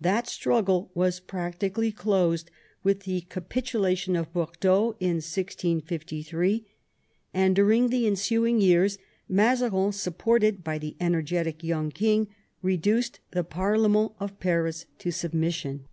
That struggle was practically closed with the capitu lation of Bordeaux in 1653, and during the ensuing years Mazarin, supported by the energetic young king, reduced the parlement of Paris to submission.